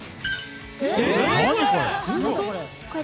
何これ？